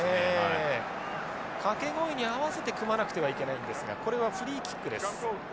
掛け声に合わせて組まなくてはいけないんですがこれはフリーキックです。